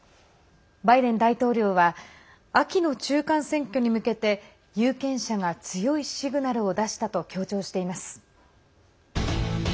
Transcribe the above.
バイデン大統領は秋の中間選挙に向けて有権者が強いシグナルを出したと強調しています。